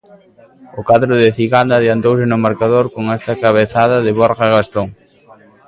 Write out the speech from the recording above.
O cadro de Ciganda adiantouse no marcador con esta cabezada de Borja Bastón.